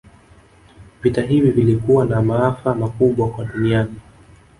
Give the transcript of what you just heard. Vita hivi vilikuwa na maafa makubwa kwa duniani